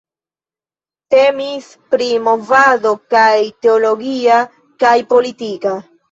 Temis pri movado kaj teologia kaj politika.